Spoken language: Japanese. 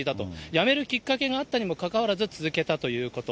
やめるきっかけがあったにもかかわらず、続けたということ。